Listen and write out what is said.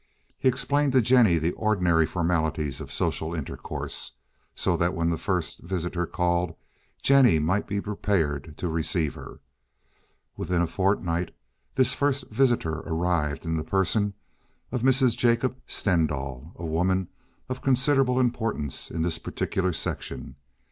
He explained to Jennie the ordinary formalities of social intercourse, so that when the first visitor called Jennie might be prepared to receive her. Within a fortnight this first visitor arrived in the person of Mrs. Jacob Stendahl, a woman of considerable importance in this particular section.